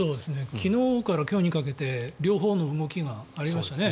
昨日から今日にかけて両方の動きがありましたね。